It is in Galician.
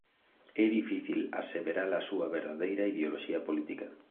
É difícil aseverar a súa verdadeira ideoloxía política.